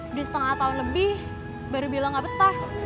udah setengah tahun lebih baru bilang nggak betah